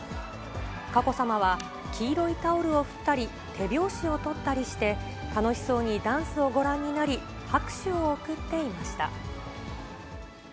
佳子さまは、黄色いタオルを振ったり、手拍子を取ったりして、楽しそうにダンスをご覧になり、拍手を送っていました。